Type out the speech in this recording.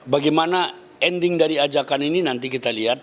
bagaimana ending dari ajakan ini nanti kita lihat